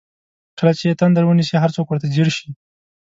کله چې یې تندر ونیسي هر څوک ورته ځیر شي.